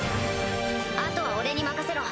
あとは俺に任せろ。